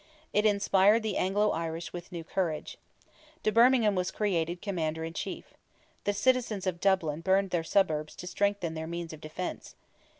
It inspired the Anglo Irish with new courage. De Bermingham was created commander in chief. The citizens of Dublin burned their suburbs to strengthen their means of defence.